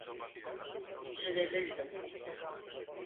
Sinirliydim.